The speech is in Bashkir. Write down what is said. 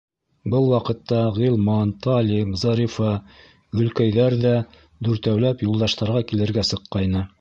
Был ваҡытта Ғилман, Талип, Зарифа, Гөлкәйҙәр ҙә дүртәүләп Юлдаштарға килергә сыҡҡайны.